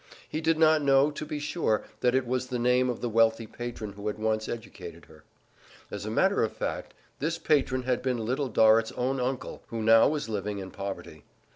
He did not know, to be sure, that it was the name of the wealthy patron who had once educated her. As a matter of fact, this patron had been Little Dorrit's own uncle, who now was living in poverty.